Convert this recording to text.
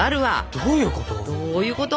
どういうこと？